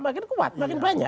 makin kuat makin banyak